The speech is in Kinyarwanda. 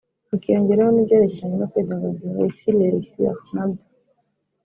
hakiyongeraho n’ibyerekeranye no kwidagadura (loisirs/ leisure) nabyo